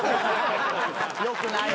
よくないな。